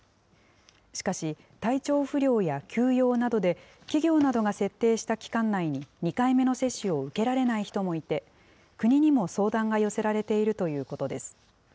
しかし、体調不良や急用などで企業などが設定した期間内に２回目の接種を受けられない人もいて、国にも相談が寄せられているということです。